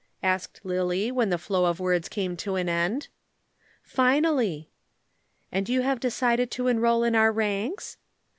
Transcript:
asked Lillie, when the flow of words came to an end. "Finally." "And you have decided to enroll in our ranks?"